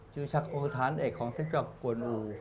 จิวชังกงคือฐานเอกของเทพเจ้ากวนอู